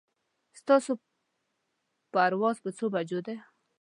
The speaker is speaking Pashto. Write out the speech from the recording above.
ستاسو پرواز په څو بجو ده